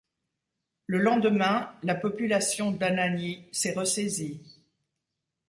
Le lendemain, la population d'Anagni s'est ressaisie.